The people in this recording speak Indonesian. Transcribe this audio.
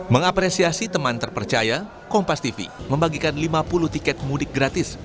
mengapresiasi teman terpercaya kompas tv membagikan lima puluh tiket mudik gratis